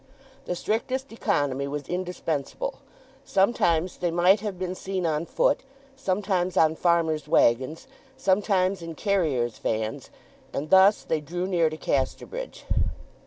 The strictest economy was indispensable. Sometimes they might have been seen on foot, sometimes on farmers' waggons, sometimes in carriers' vans; and thus they drew near to Casterbridge.